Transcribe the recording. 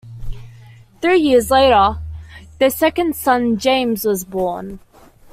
Three years later, their second son, James was born.